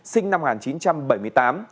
sinh năm một nghìn chín trăm bảy mươi tám